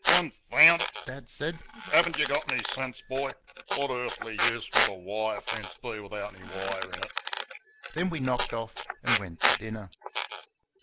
"Confound it!" Dad said, "have n't you got any sense, boy? What earthly use would a wire fence be without any wire in it?" Then we knocked off and went to dinner.